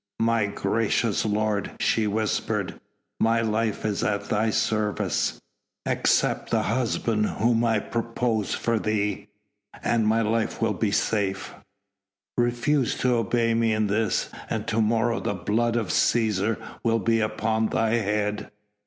"My gracious lord!" she whispered, "my life is at thy service." "Accept the husband whom I propose for thee ... and my life will be safe.... Refuse to obey me in this and to morrow the blood of Cæsar will be upon thy head...."